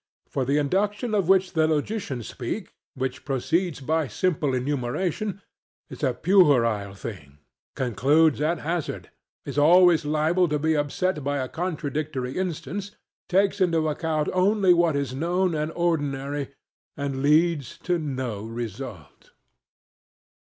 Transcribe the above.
For the induction of which the logicians speak, which proceeds by simple enumeration, is a puerile thing, concludes at hazard, is always liable to be upset by a contradictory instance, takes into account only what is known and ordinary, and leads to no result.